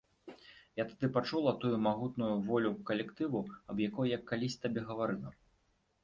Я тады пачула тую магутную волю калектыву, аб якой я калісь табе гаварыла.